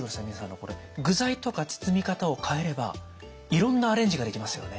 これ具材とか包み方を変えればいろんなアレンジができますよね。